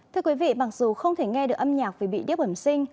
thưa quý vị bằng dù không thể nghe được âm nhạc vì bị điếc bẩm sinh